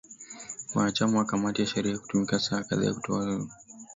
wanachama wa kamati ya sheria kutumia saa kadhaa kutoa taarifa zao ufunguzi